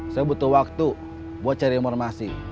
saya butuh waktu buat cari informasi